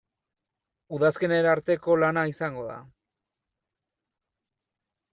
Udazkenera arteko lana izango da.